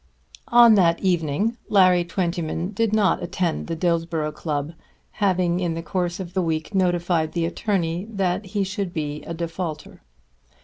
On that evening Larry Twentyman did not attend the Dillsborough Club, having in the course of the week notified to the attorney that he should be a defaulter.